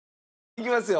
いきますよ。